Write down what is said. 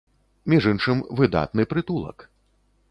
Між іншым, выдатны прытулак.